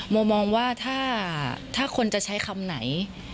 โมมองว่าถ้าคนจะใช้คำไหน